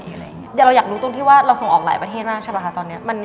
เดี๋ยวเราอยากรู้ตรงที่ว่าเราส่งออกหลายประเทศมากใช่ป่ะคะตอนนี้